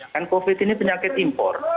kan covid ini penyakit impor